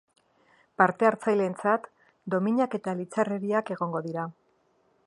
Parte hartzaileentzat dominak eta litxarreriak egongo dira.